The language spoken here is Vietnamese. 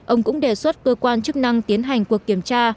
ông cũng đề xuất cơ quan chức năng tiến hành cuộc kiểm tra